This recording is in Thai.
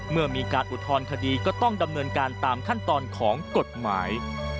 เมื่อมีการอุทธรณคดีก็ต้องดำเนินการตามขั้นตอนของกฎหมาย